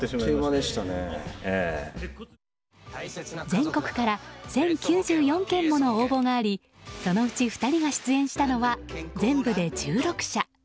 全国から１０９４件もの応募がありそのうち２人が出演したのは全部で１６社。